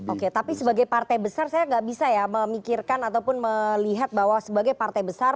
oke tapi sebagai partai besar saya nggak bisa ya memikirkan ataupun melihat bahwa sebagai partai besar